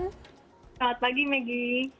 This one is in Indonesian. selamat pagi maggie